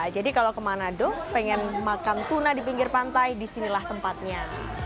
jadi kalau ke manado pengen makan tuna di pinggir pantai disinilah tempatnya